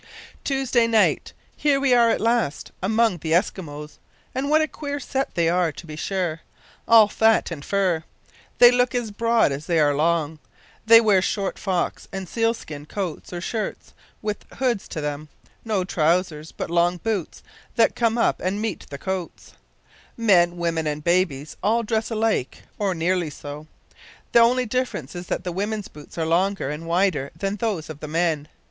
"Tuesday night. Here we are at last among the Eskimos! and what a queer set they are, to be sure. All fat and fur! They look as broad as they are long. They wear short fox and seal skin coats, or shirts, with hoods to then; no trousers, but long boots, that come up and meet the coats. Women, men, and babies, all dressed alike, or nearly so. The only difference is that the women's boots are longer and wider than those of the men.